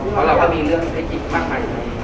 เพราะเราก็มีเรื่องให้คิดมากกว่านี้